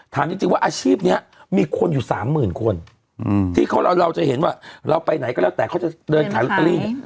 ถามจริงว่าอาชีพนี้มีคนอยู่๓๐๐๐คนที่เราจะเห็นว่าเราไปไหนก็แล้วแต่เขาจะเดินขายลอตเตอรี่